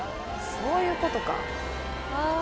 そういうことかああ